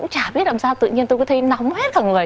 cũng chả biết làm sao tự nhiên tôi cứ thấy nóng hết cả người